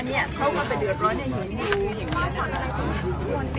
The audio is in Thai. เรียบร้อยเนี่ยอย่างนี้อย่างนี้นะครับ